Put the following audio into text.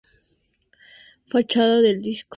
Ficha del disco